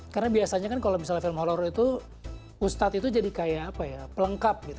karena biasanya kan kalau misalnya film horror itu ustadz itu jadi kayak apa ya pelengkap gitu